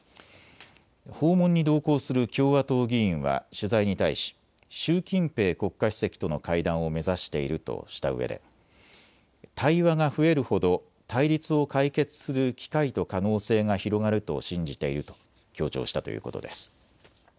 訪問に同行する共和党議員は取材に対し習近平国家主席との会談を目指しているとしたうえで対話が増えるほど対立を解決する機会と可能性が広がると信じていると強調したということです。